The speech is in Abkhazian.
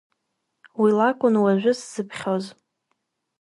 Уи лакәын уажәы сзыԥхьоз.